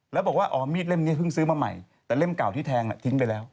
แล้วบอกว่าอ๋อมีดเล่มนี้เพิ่งซื้อมาใหม่แต่เล่มเก่าที่แทงทิ้งไปแล้ว